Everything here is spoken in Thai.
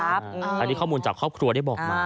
อันนี้ข้อมูลจากครอบครัวได้บอกมา